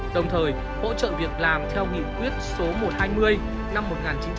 đồng thời hỗ trợ việc làm theo nghị quyết số một trăm hai mươi năm một nghìn chín trăm chín mươi